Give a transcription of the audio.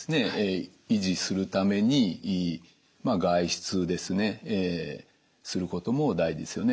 維持するために外出ですねすることも大事ですよね。